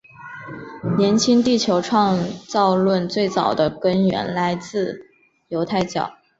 年轻地球创造论最早的根源来自犹太教。